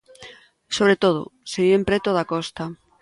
Sobre todo, se viven preto da costa.